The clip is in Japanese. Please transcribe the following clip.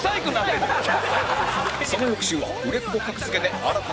その翌週は売れっ子格付けで新たな因縁勃発！